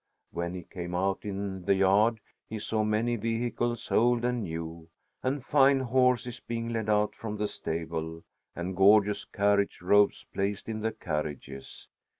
When he came out in the yard, he saw many vehicles, old and new, and fine horses being led out from the stable, and gorgeous carriage robes placed in the carriages.